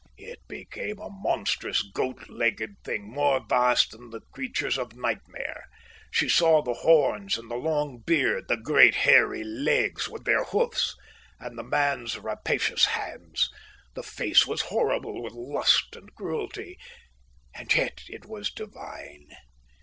It became a monstrous, goat legged thing, more vast than the creatures of nightmare. She saw the horns and the long beard, the great hairy legs with their hoofs, and the man's rapacious hands. The face was horrible with lust and cruelty, and yet it was divine.